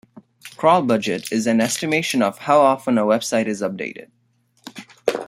Crawl budget is an estimation of how often a website is updated.